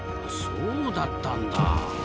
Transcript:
そうだったんだ。